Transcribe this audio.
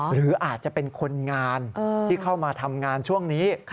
หรืออาจจะเป็นคนงานที่เข้ามาทำงานช่วงนี้